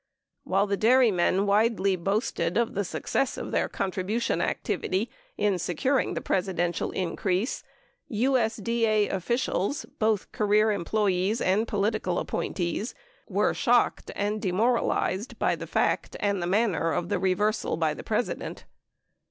While the dairymen widely boasted of the success of their contribution activity in securing the Presidential increase, USDA officials — both career employees and political appointees — were shocked and demoralized by the fact and the manner of the reversal by the President.